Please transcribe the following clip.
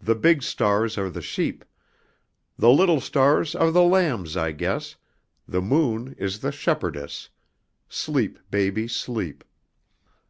The big stars are the sheep, The little stars are the lambs, I guess, The moon is the shepherdess, Sleep, Baby, Sleep."